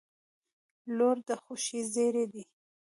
• لور د خوښۍ زېری دی.